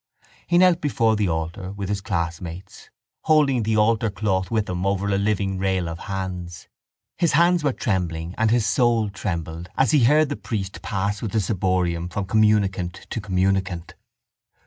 He knelt before the altar with his classmates, holding the altar cloth with them over a living rail of hands. His hands were trembling and his soul trembled as he heard the priest pass with the ciborium from communicant to communicant.